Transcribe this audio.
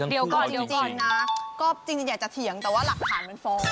จริงนะก็จริงอยากจะเถียงแต่ว่าหลักฐานมันฟอร์ม